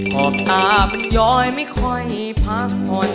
ขอบตามันย้อยไม่ค่อยพักผ่อน